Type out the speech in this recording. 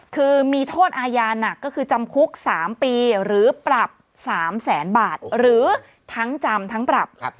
คือมีโทษอาญาหนักก็คือจำคุก๓ปีหรือปรับ๓แสนบาทหรือทั้งจำทั้งปรับ